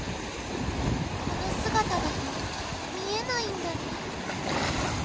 このすがただと見えないんだね。